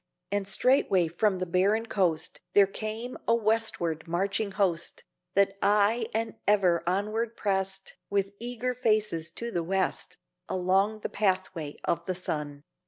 And straightway from the barren coast There came a westward marching host, That aye and ever onward prest With eager faces to the West, Along the pathway of the sun.